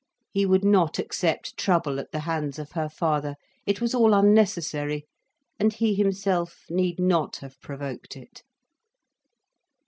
He would not accept trouble at the hands of her father. It was all unnecessary, and he himself need not have provoked it.